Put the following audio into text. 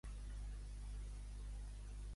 Què es feia aquest abans?